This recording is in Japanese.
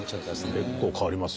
結構変わりますよね。